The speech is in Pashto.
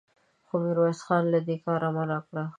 خو ميرويس خان له دې کاره منع کړ.